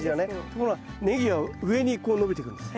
ところがネギは上にこう伸びてくんです。